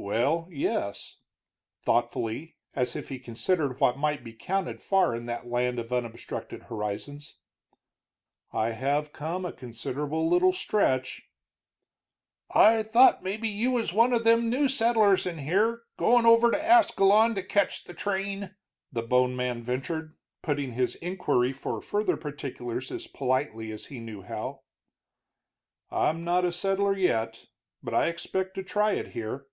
"Well, yes," thoughtfully, as if he considered what might be counted far in that land of unobstructed horizons, "I have come a considerable little stretch." "I thought maybe you was one of them new settlers in here, goin' over to Ascalon to ketch the train," the bone man ventured, putting his inquiry for further particulars as politely as he knew how. "I'm not a settler yet, but I expect to try it here."